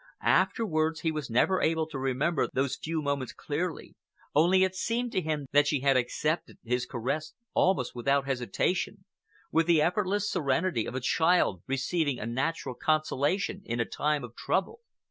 Afterwards, he was never able to remember those few moments clearly, only it seemed to him that she had accepted his caress almost without hesitation, with the effortless serenity of a child receiving a natural consolation in a time of trouble.